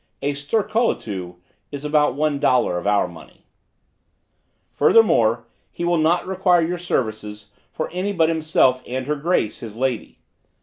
(A stercolatu is about one dollar of our money.) "Furthermore, he will not require your services for any but himself and her grace, his lady."